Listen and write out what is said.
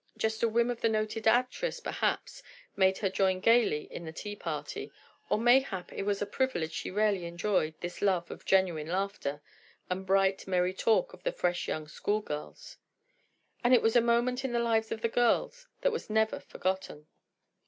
Just a whim of the noted actress perhaps, made her join gaily in the tea party, or mayhap, it was a privilege she rarely enjoyed, this love of genuine laughter, and bright, merry talk of the fresh young school girls. And it was a moment in the lives of the girls that was never forgotten.